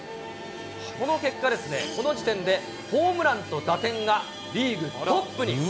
この結果ですね、この時点でホームランと打点がリーグトップに。